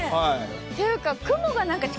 っていうか。